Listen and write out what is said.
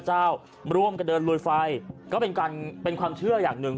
ร่วมกันเดินลุยไฟก็เป็นการเป็นความเชื่ออย่างหนึ่ง